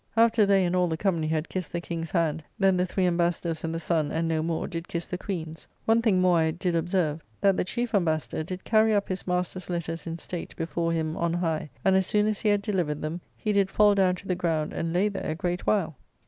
After they and all the company had kissed the King's hand, then the three Embassadors and the son, and no more, did kiss the Queen's. One thing more I did observe, that the chief Embassador did carry up his master's letters in state before him on high; and as soon as he had delivered them, he did fall down to the ground and lay there a great while.